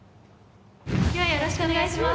よろしくお願いします